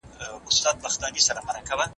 هغه وویل چې انټرنیټ یې په زده کړو کې مرسته وکړه.